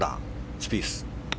スピース。